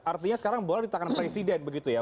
artinya sekarang boleh ditahan presiden begitu ya